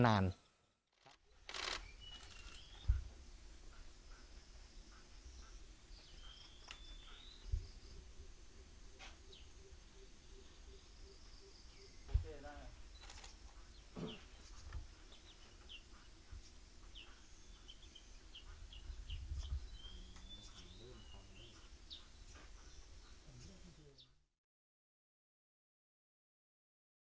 โดยเฉพาะทรัพยากรธรรมชาติและสิ่งแวดล้อมดั้งเดิมเอง